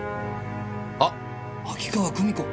あっ秋川久美子！